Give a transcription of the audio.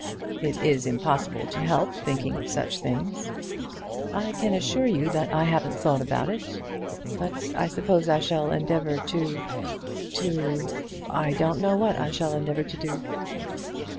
"It is impossible to help thinking of such things." "I can assure you that I haven't thought about it; but I suppose I shall endeavour to to ; I don't know what I shall endeavour to do."